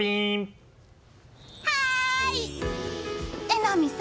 はい！